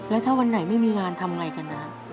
แล้วถ้าวันไหนไม่มีงานทำไงกันนะ